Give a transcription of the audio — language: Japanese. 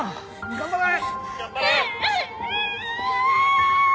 頑張れ！